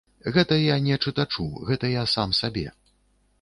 Гэта я не чытачу, гэта я сам сабе.